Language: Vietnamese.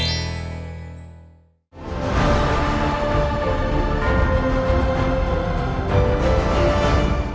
hẹn gặp lại